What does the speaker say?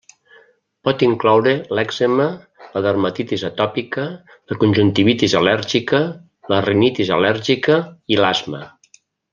Pot incloure l'èczema, la dermatitis atòpica, la conjuntivitis al·lèrgica, la rinitis al·lèrgica i l'asma.